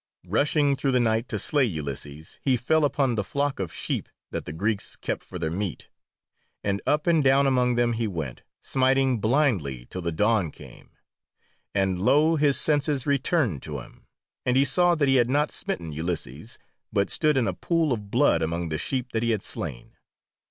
Rushing through the night to slay Ulysses he fell upon the flock of sheep that the Greeks kept for their meat. And up and down among them he went, smiting blindly till the dawn came, and, lo! his senses returned to him, and he saw that he had not smitten Ulysses, but stood in a pool of blood among the sheep that he had slain.